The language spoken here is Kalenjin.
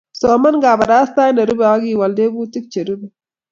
soman kabarastae ne rubei akiwolu tebutik che rubei